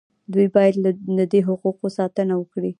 دوی باید له دې حقوقو ساتنه وکړي.